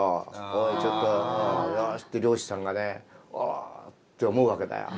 おいちょっとよし」って漁師さんがね「おおっ」て思うわけだよ。